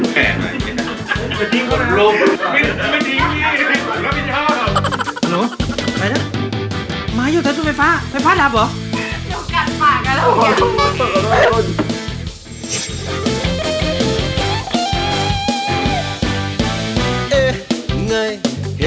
ฮัลโหลใครน่ะมาอยู่ทัศว์ไฟฟ้าไฟฟ้ารับเหรอ